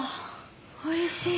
おいしい。